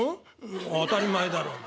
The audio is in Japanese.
「当たり前だろお前。